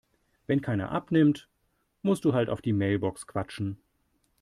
Wenn keiner abnimmt, musst du halt auf die Mailbox quatschen.